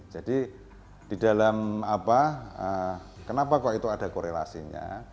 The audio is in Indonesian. jadi di dalam apa kenapa kok itu ada korelasinya